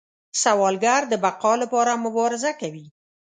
سوالګر د بقا لپاره مبارزه کوي